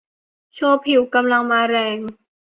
โชว์ผิวกำลังมาแรง